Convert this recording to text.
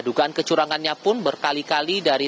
dugaan kecurangannya pun berkali kali dari